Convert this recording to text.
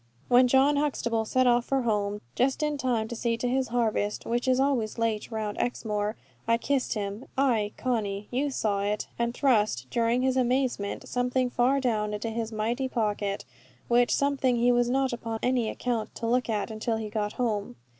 When John Huxtable set off for home, just in time to see to his harvest, which is always late round Exmoor, I kissed him ay, Conny, you saw it and thrust, during his amazement, something far down into his mighty pocket, which something he was not upon any account to look at until he got home.